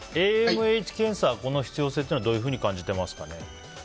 ＡＭＨ検査の必要性についてはどういうふうに感じてますか？